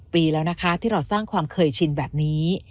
ปีแล้วนะคะที่เราสร้างความเคยชินแบบนี้